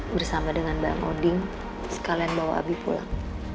bersama dengan bang odin sekalian bawa abi pulang